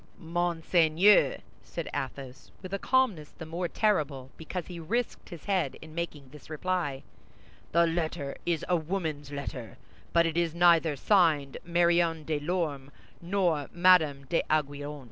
"Monseigneur," said Athos, with a calmness the more terrible because he risked his head in making this reply, "the letter is a woman's letter, but it is neither signed Marion de Lorme, nor Madame d'Aiguillon."